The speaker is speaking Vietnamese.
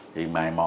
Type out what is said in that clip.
thì mài mò